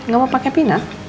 gak mau pake pina